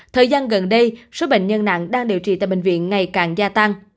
thời gian gần đây số bệnh nhân nặng đang điều trị tại bệnh viện ngày càng gia tăng